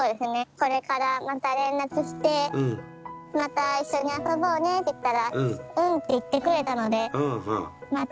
これからまた連絡して「また一緒に遊ぼうね」って言ったら「うん」って言ってくれたのでまた